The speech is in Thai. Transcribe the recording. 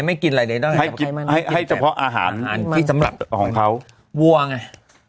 วัวไง